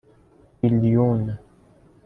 بیلیون